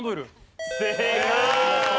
正解！